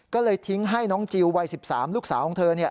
ก็เลยทิ้งให้น้องจิลวัย๑๓ลูกสาวของเธอ